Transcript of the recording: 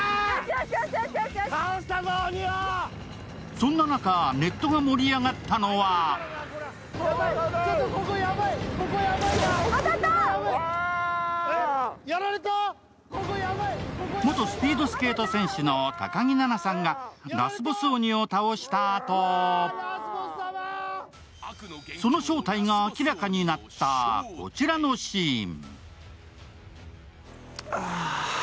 そんな中、ネットが盛り上がったのは元スピードスケート選手の高木菜那さんがラスボス鬼を倒したあとその正体が明らかになったこちらのシーン。